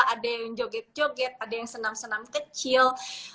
ada yang joget joget ada yang senam senam kecil